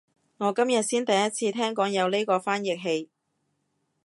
我今日先第一次聽講有呢個翻譯器